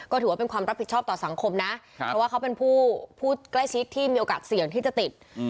ก็ถือว่าเป็นความรับผิดชอบต่อสังคมนะเพราะว่าเขาเป็นผู้ใกล้ชิดที่มีโอกาสเสี่ยงที่จะติด